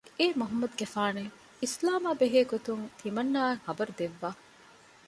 އޭ މުޙައްމަދުގެފާނެވެ! އިސްލާމާ ބެހޭ ގޮތުން ތިމަންނާއަށް ޚަބަރު ދެއްވާ